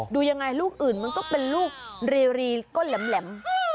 ดูยังไงลูกอื่นมันก็เป็นลูกรีก้นแหลม